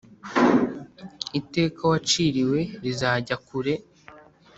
iteka waciriwe rizajya kure